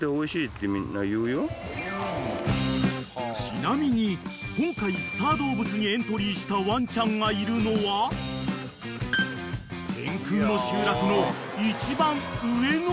［ちなみに今回スターどうぶつにエントリーしたワンちゃんがいるのは天空の集落の一番上のお宅］